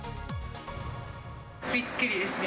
びっくりですね。